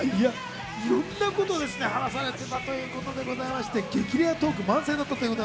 いろんなことを話されていたということでございまして、激レアトーク満載でした。